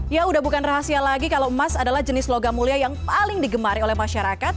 ya udah bukan rahasia lagi kalau emas adalah jenis logam mulia yang paling digemari oleh masyarakat